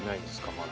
まだ。